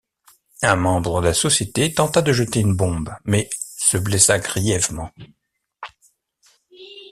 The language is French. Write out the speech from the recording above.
Un membre de la société tenta de jeter une bombe mais se blessa grièvement.